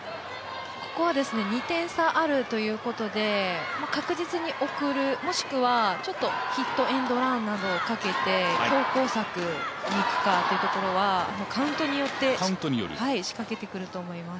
ここは２点差あるということで確実に送る、もしくは、ちょっとヒットエンドランをかけて強攻策にいくかというところはカウントによって仕掛けてくると思います。